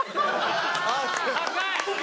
高い！